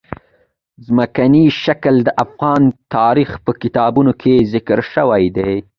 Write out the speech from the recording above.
ځمکنی شکل د افغان تاریخ په کتابونو کې ذکر شوي دي.